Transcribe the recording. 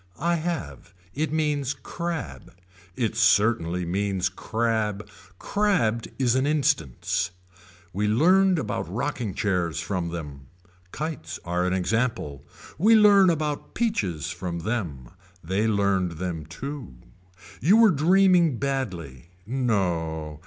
I have. It means crab. It certainly means crab. Crabbed is an instance. We learn about rocking chairs from them. Kites are an example. We learn about peaches from them. They learned them too. Were you dreaming badly. No.